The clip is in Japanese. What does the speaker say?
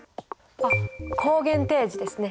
あっ抗原提示ですね！